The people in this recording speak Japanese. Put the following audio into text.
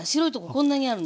こんなにあるの。